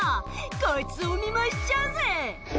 こいつをお見舞いしちゃうぜ」